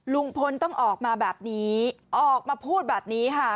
ลุงพลต้องออกมาแบบนี้ออกมาพูดแบบนี้ค่ะ